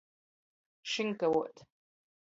Šynkavuot.